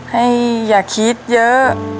อย่าคิดเยอะ